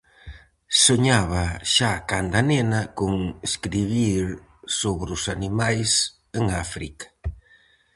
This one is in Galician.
Soñaba xa canda nena con escribir sobre os animais en África.